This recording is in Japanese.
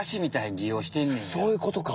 そういうことか。